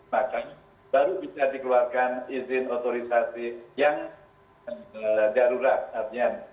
maka baru bisa dikeluarkan izin otorisasi yang